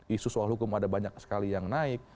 isu soal hukum ada banyak sekali yang naik